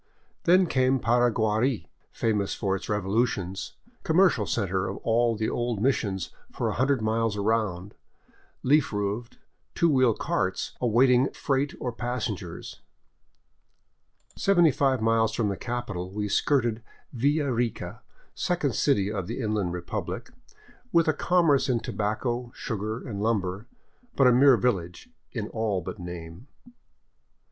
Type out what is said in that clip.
Then came Paraguari, famous for its revolutions, commercial center of all the old missions for a hundred miles around, leaf roofed, two wheel carts awaiting freight or passengers. Seventy five miles from the capital we skirted Villa Rica, second city of the Inland Republic, with a commerce in tobacco, sugar, and lumber, but a mere village in all but name.